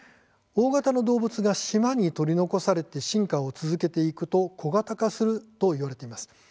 大型の動物が島に取り残されて進化を続けていくと小型化するといわれています。